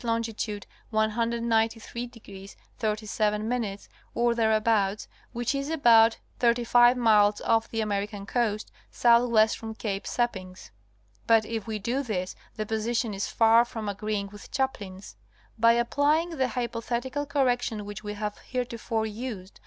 longi tude 193° 37' or thereabouts, which is about thirty five miles off the American coast southwest from Cape Seppings. But if we do this the position is far from agreeing with Chaplin's. By applying the hypo _thetical correction which we have heretofore used.